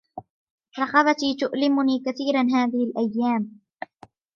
رقبتي تؤلمني كثيرا هذه الأيام